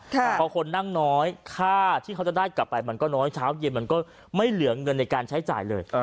พอคนนั่งน้อยค่าที่เขาจะได้กลับไปมันก็น้อยเช้าเย็นมันก็ไม่เหลือเงินในการใช้จ่ายเลย